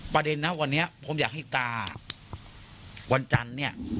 ประเด็นนะวันนี้ผมอยากให้ตาวันจันทร์เนี่ย